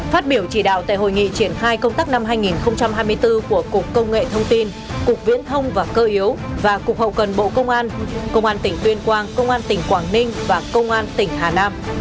phát biểu chỉ đạo tại hội nghị triển khai công tác năm hai nghìn hai mươi bốn của cục công nghệ thông tin cục viễn thông và cơ yếu và cục hậu cần bộ công an công an tỉnh tuyên quang công an tỉnh quảng ninh và công an tỉnh hà nam